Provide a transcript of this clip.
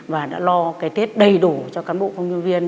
và đã lo cái tết đầy đủ cho cán bộ công nhân viên